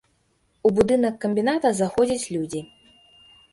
У будынак камбіната заходзяць людзі.